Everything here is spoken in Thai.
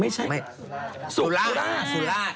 ไม่ใช่สุลา